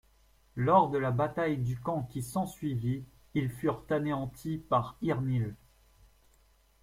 Lors de la bataille du Camp qui s'ensuivit, ils furent anéantis par Eärnil.